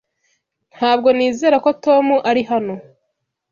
Ntabwo nizera ko Tom ari hano.